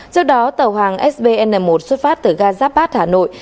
trước đó tàu hàng sbn một xuất phát từ ga giáp bát hà nội